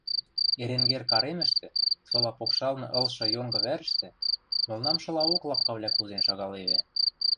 Эренгер каремӹштӹ, сола покшалны ылшы йонгы вӓрӹштӹ, молнамшылаок лапкавлӓ кузен шагалевӹ.